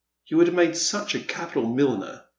" You would have made such a capital milliner.